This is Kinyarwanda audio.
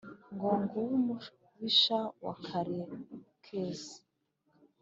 Ngo nguwo umubisha wa Karekezi!